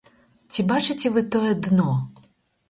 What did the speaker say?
Ці бачыце вы тое дно?